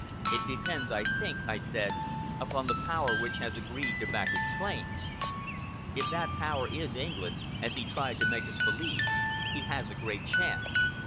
"It depends, I think," I said, "upon the Power which has agreed to back his claims. If that Power is England, as he tried to make us believe, he has a great chance.